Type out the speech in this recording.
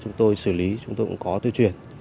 chúng tôi xử lý chúng tôi cũng có tuyên truyền